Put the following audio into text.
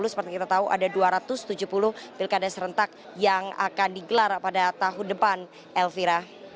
seperti kita tahu ada dua ratus tujuh puluh pilkada serentak yang akan digelar pada tahun depan elvira